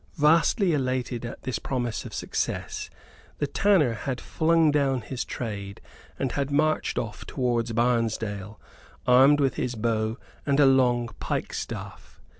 Vastly elated at this promise of success, the tanner had flung down his trade and had marched off towards Barnesdale, armed with his bow and a long pike staff.